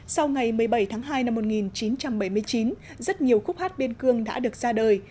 sau ngày một mươi bảy tháng hai năm một nghìn chín trăm bảy mươi chín rất nhiều khúc hát biên cương đã được ra đời